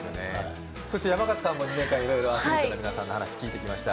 そして山形さんも２年間いろいろアスリートの皆さんの話聞いてきました